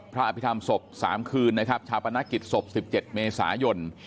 พิธรรมศพ๓คืนนะครับชาวประณะกิจศพ๑๗เมษายน